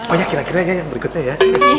oh ya kira kira ya yang berikutnya ya